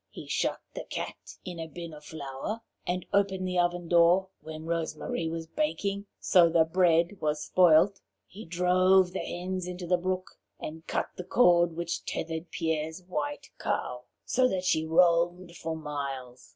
He shut the cat in a bin of flour, and opened the oven door when Rose Marie was baking, so that the bread was spoilt. He drove the hens into the brook, and cut the cord which tethered Pierre's white cow, so that she roamed for miles.